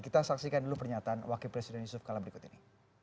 kita saksikan dulu pernyataan wakil presiden yusuf kala berikut ini